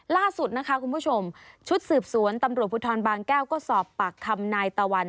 ล่าสุดนะคะคุณผู้ชมชุดสืบสวนตำรวจภูทรบางแก้วก็สอบปากคำนายตะวัน